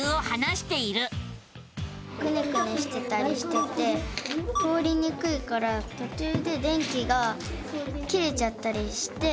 くねくねしてたりしてて通りにくいからとちゅうで電気が切れちゃったりして。